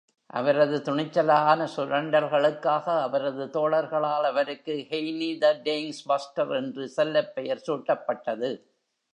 அவரது துணிச்சலான சுரண்டல்களுக்காக அவரது தோழர்களால் அவருக்கு "ஹெய்னி தி டேங்க்-பஸ்டர்" என்று செல்லப்பெயர் சூட்டப்பட்டது.